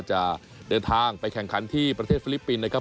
จะเดินทางไปแข่งขันที่ประเทศฟิลิปปินส์นะครับ